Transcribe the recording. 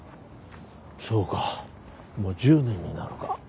そうかもう１０年になるか。